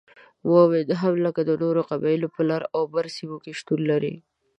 مومند هم لکه دا نورو قبيلو په لر او بر سیمو کې شتون لري